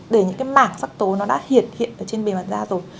để những cái mảng sắc tố nó đã hiện hiện ở trên bề mặt da rồi